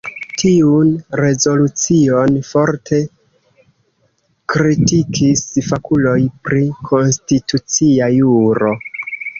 Tiun rezolucion forte kritikis fakuloj pri Konstitucia Juro.